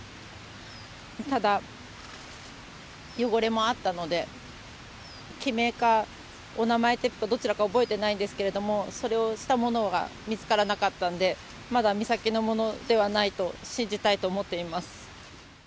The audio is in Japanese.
ただ、汚れもあったので、記名か、お名前テープかどちらか覚えてないんですけれども、それをしたものが見つからなかったんで、まだ美咲のものではないと信じたいと思っています。